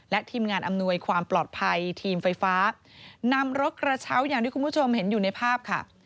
และทีมงานอำนวยความปลอดภัยทีมไฟฟ้านำรถกระเช้าอย่างที่คุณผู้ชมเห็นอยู่ในภาพค่ะ